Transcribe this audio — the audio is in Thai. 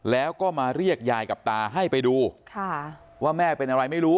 แล้วก็มาเรียกยายกับตาให้ไปดูว่าแม่เป็นอะไรไม่รู้